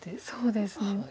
そうですね。